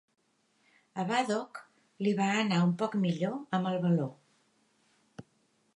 A Badcock, li va anar un poc millor amb el baló.